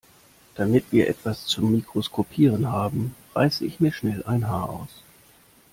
Damit wir etwas zum Mikroskopieren haben, reiße ich mir schnell ein Haar aus.